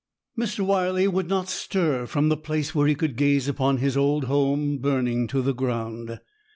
Mr. Wyley would not stir from the place where he could gaze upon his old home burning to the ground.